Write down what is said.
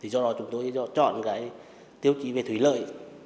do đó chúng tôi chọn tiêu chí về thủy lợi